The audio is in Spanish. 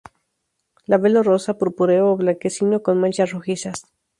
Labelo rosa, purpúreo ó blanquecino, con manchas rojizas.